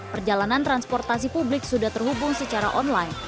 perjalanan transportasi publik sudah terhubung secara online